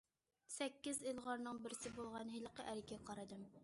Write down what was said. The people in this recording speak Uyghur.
سەككىز ئىلغارنىڭ بىرسى بولغان ھېلىقى ئەرگە قارىدىم.